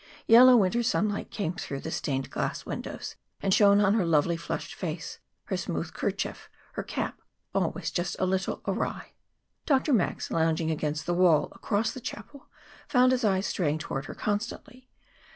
Yellow winter sunlight came through the stained glass windows and shone on her lovely flushed face, her smooth kerchief, her cap, always just a little awry. Dr. Max, lounging against the wall, across the chapel, found his eyes straying toward her constantly.